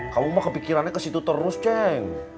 kamu mah kepikirannya kesitu terus ceng